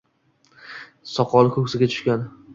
Soqoli koʻksiga tushgan